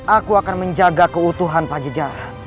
aku akan menjaga keutuhan pajak